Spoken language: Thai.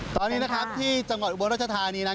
ตอนนี้นะครับที่จังหวัดอุบลรัชธานีนั้น